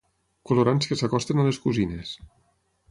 Colorants que s'acosten a les cosines.